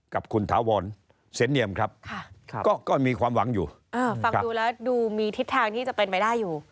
กับคุณถาวรเสนเนียมครับก็มีความหวังอยู่ฟังดูแล้วดูมีทิศทางที่จะเป็นไปได้อยู่